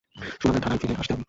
সুনামের ধারায় ফিরে আসতে হবে।